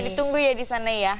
kita tunggu ya di sana ya